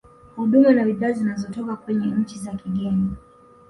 huduma na bidhaa zinazotoka kwenye nchi za kigeni